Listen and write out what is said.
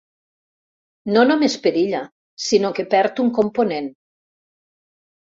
No només perilla sinó que perd un component.